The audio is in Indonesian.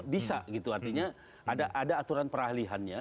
bisa gitu artinya ada aturan peralihannya